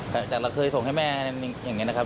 แต่เราเคยส่งให้แม่อย่างนี้นะครับ